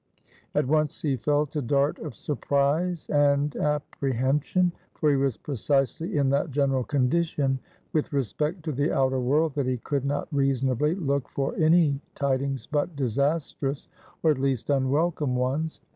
At once he felt a dart of surprise and apprehension; for he was precisely in that general condition with respect to the outer world, that he could not reasonably look for any tidings but disastrous, or at least, unwelcome ones.